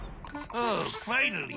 ああ！